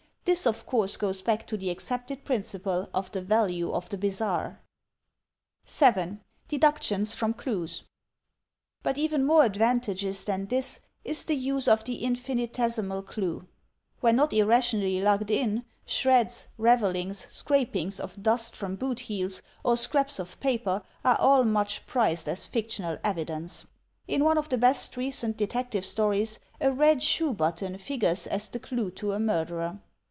This, of course, goes back to the accepted principle of the value of the bizarre. 7. Deductions from Cities But even more advantageous than this is the use of the infinitesimal clue. When not irrationally lugged in, shreds, ravelings, scrapings of dust from boot heels, or scraps of paper are all much prized as fictional evidence. 262 THE TECHNIQUE OF THE MYSTERY STORY In one of the best recent Detective Stories a red shoe button figures as the clue to a murderer.